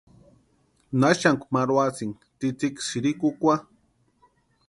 ¿Na xanku marhuasïnki tsïtsïki sïrikukwa?